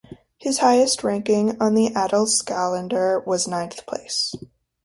His highest ranking on the Adelskalender was a ninth place.